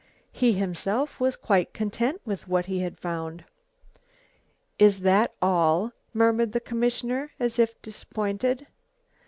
He himself was quite content with what he had found. "Is that all?" murmured the commissioner, as if disappointed.